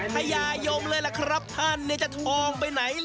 พญายมเลยล่ะครับท่านจะทองไปไหน